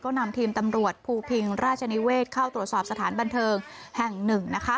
นำทีมตำรวจภูพิงราชนิเวศเข้าตรวจสอบสถานบันเทิงแห่งหนึ่งนะคะ